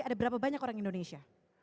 ada berapa banyak orang indonesia